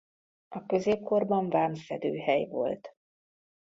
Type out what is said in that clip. A középkorban vámszedőhely volt.